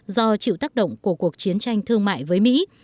do chịu tác động của cuộc chiến tranh thương mại với mỹ